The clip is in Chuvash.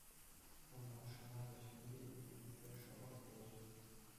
Унтан шӑна вӗҫни те илтӗнесле шӑпӑрт пулчӗ.